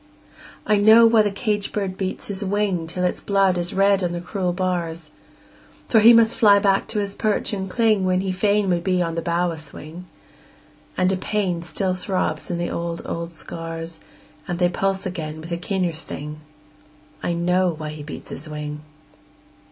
I know why the caged bird beats his wing Till its blood is red on the cruel bars; For he must fly back to his perch and cling When he fain would be on the bough a swing; And a pain still throbs in the old, old scars And they pulse again with a keener sting I know why he beats his wing!